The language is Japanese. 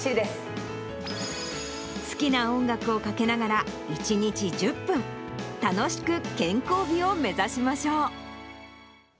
好きな音楽をかけながら１日１０分、楽しく健康美を目指しましょう。